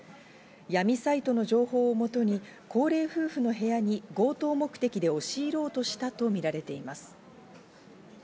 闇サイトの情報を元に高齢夫婦の部屋に強盗目的で押し入ろうとしたとみられています。